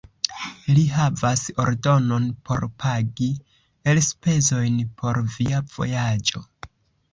Li havas ordonon por pagi elspezojn por via vojaĝo.